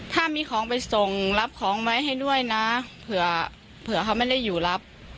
ถ้ามีของไปส่งรับของไว้ให้ด้วยนะเผื่อเขาไม่ได้อยู่รับ